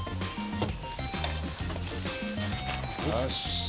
よし。